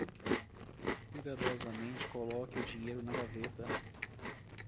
Cuidadosamente coloque o dinheiro na gaveta